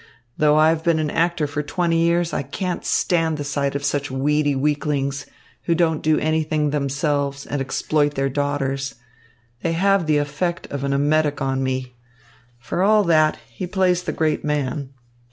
Though I have been an actor for twenty years, I can't stand the sight of such weedy weaklings, who don't do anything themselves and exploit their daughters. They have the effect of an emetic on me. For all that, he plays the great man.